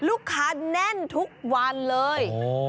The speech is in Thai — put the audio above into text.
ใช่ลูกค้านแน่นถึงทุกวันเลย